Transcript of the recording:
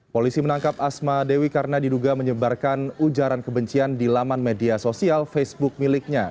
polisi menangkap asma dewi karena diduga menyebarkan ujaran kebencian di laman media sosial facebook miliknya